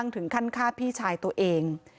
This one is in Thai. ถึงขั้นฆ่าพี่ชายตัวเอง